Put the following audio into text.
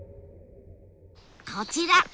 こちら！